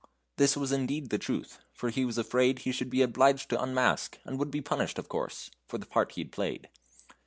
This was indeed the truth, for he was afraid he should be obliged to unmask, and would be punished, of course, for the part he had played.